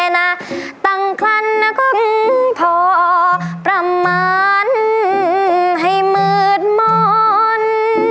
นาตังคลันก็พอประมาณให้มืดหมอน